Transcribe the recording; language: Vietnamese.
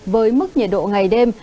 với mức nhiệt độ ngày đêm